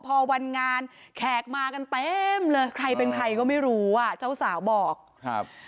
พอวันงานแขกมากันเต็มเลยใครเป็นใครก็ไม่รู้อ่ะเจ้าสาวบอกครับ